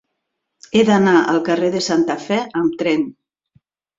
He d'anar al carrer de Santa Fe amb tren.